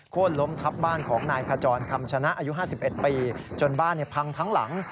้นล้มทับบ้านของนายขจรคำชนะอายุ๕๑ปีจนบ้านพังทั้งหลัง